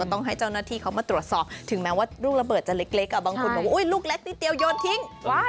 ต้องให้เจ้าหน้าที่เขามาตรวจสอบถึงแม้ว่ารุ่นและจัดเล็กบางคนว่าลูกเล็กนิดเดียวยอดทิ้ง